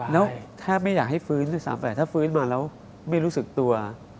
แล้วแทบไม่อยากให้ฟื้น๑๓๘ถ้าฟื้นมาแล้วไม่รู้สึกตัว